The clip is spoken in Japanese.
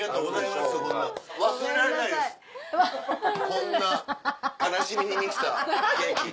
こんな悲しみに満ちたケーキ。